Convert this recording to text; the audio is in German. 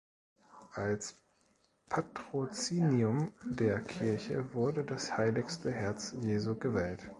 Als Patrozinium der Kirche wurde das Heiligste Herz Jesu gewählt.